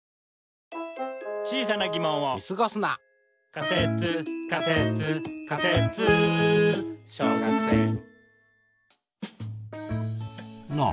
「仮説仮説仮説小学生」なあ